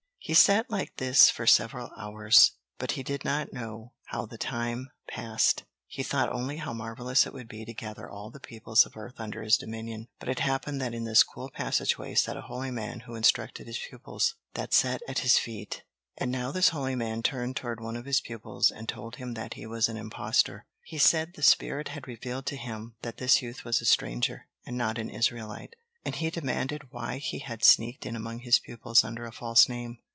He sat like this for several hours, but he did not know how the time passed. He thought only how marvelous it would be to gather all the peoples of earth under his dominion. But it happened that in this cool passageway sat a holy man who instructed his pupils, that sat at his feet. And now this holy man turned toward one of his pupils and told him that he was an impostor. He said the spirit had revealed to him that this youth was a stranger, and not an Israelite. And he demanded why he had sneaked in among his pupils under a false name.